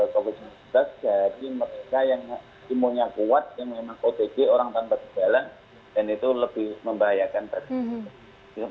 jadi mereka yang imunnya kuat yang memang otg orang tanpa jalan dan itu lebih membahayakan pasien